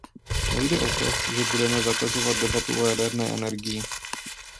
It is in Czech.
Nejde o to, že budeme zakazovat debatu o jaderné energii.